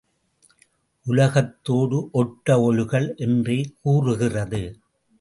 உலகத்தோடு ஒட்ட ஒழுகல் என்றே கூறுகிறது.